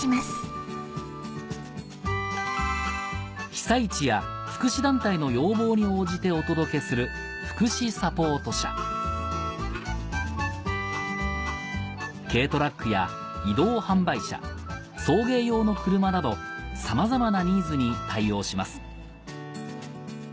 被災地や福祉団体の要望に応じてお届けする軽トラックや移動販売車送迎用の車などさまざまなニーズに対応します